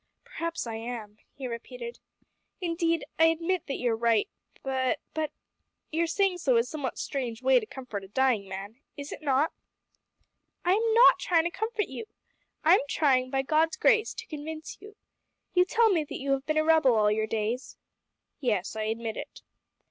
"Perhaps I am," he repeated. "Indeed I admit that you are right, but but your saying so is a somewhat strange way to comfort a dying man. Is it not?" "I am not trying to comfort you. I am trying, by God's grace, to convince you. You tell me that you have been a rebel all your days?" "Yes; I admit it."